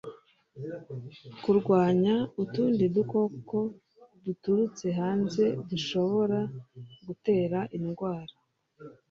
kurwanya utundi dukoko duturutse hanze dushobora gutera indwara